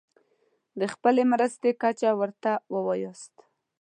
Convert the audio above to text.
د خپلې مرستې کچه ورته ووایاست.